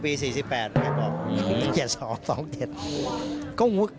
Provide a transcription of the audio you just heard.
อีก๒ปี๔๘นะครับ